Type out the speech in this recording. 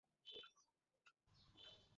আর এখন ব্যাগ ভর্তি নিয়ে ঘুরছো।